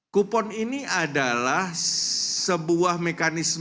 kupon ini adalah sebuah mekanisme